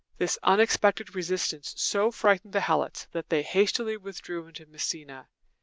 This unexpected resistance so frightened the Helots, that they hastily withdrew into Messenia.